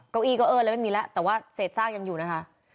เก้าอี้ก็เออแล้วไม่มีแล้วแต่ว่าเศษซากยังอยู่นะคะ